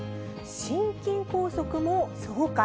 心筋梗塞も増加。